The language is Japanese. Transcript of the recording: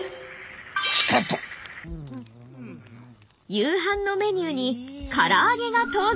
夕飯のメニューに「空揚」が登場！